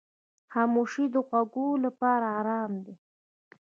خاموشي د غوږو لپاره آرام دی.